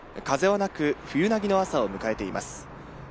風はなく、冬凪の朝を迎えています。